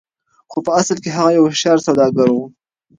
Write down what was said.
خو په اصل کې هغه يو هوښيار سوداګر و.